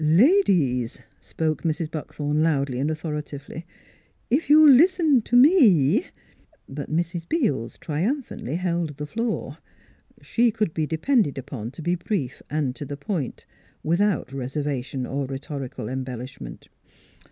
"" Ladies !" spoke Mrs. Buckthorn loudly and authoritatively, " if you'll listen to me " But Mrs. Beels triumphantly held the floor. She could be depended upon to be brief and to the point, without reservation or rhetorical embellishment.